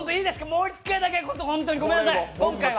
もう一回だけ、ごめんなさい、今回は。